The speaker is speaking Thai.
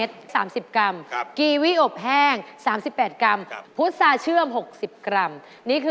ชอบกำลังเต้นอีกมาก